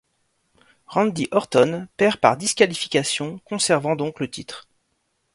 Randy Orton perd par disqualification, conservant donc le titre.